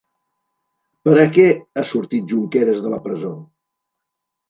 Per a què ha sortit Junqueras de la presó?